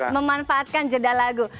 jadi memanfaatkan jeda lagu